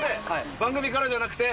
番組からじゃなくて？